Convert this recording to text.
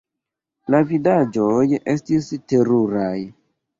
La vidaĵoj estis teruraj.